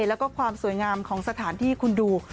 แล้วก็ความสวยงามของสถานที่คุณดู